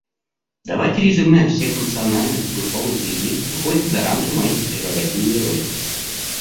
Давать резюме всех национальных и групповых заявлений выходит за рамки моей прерогативы и роли.